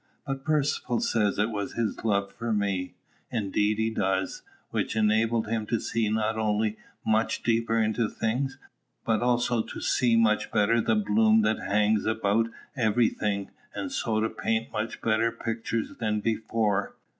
But Percivale says it was his love for me indeed he does which enabled him to see not only much deeper into things, but also to see much better the bloom that hangs about every thing, and so to paint much better pictures than before.